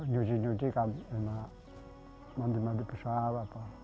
nyuci nyuci kan memang mandi mandi besar